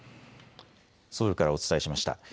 ソウルからお伝えしました。